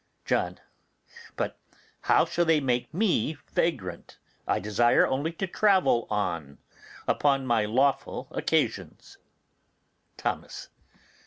John. But how shall they make me vagrant? I desire only to travel on, upon my lawful occasions. Thomas.